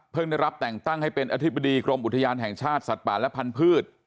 ได้รับแต่งตั้งให้เป็นอธิบดีกรมอุทยานแห่งชาติสัตว์ป่าและพันธุ์